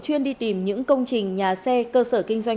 chuyên đi tìm những công trình nhà xe cơ sở kinh doanh